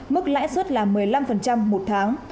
mức lãi suất là một mươi năm một tháng